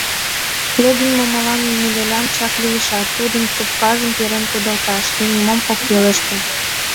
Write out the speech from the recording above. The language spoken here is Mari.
Логин Момолан Емелялан чак лиешат, тудын трубкажым перен кудалта, шке нимом ок пелеште.